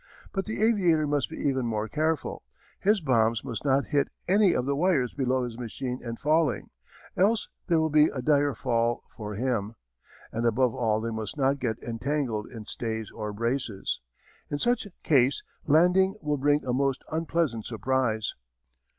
But the aviator must be even more careful. His bombs must not hit any of the wires below his machine in falling else there will be a dire fall for him. And above all they must not get entangled in stays or braces. In such case landing will bring a most unpleasant surprise.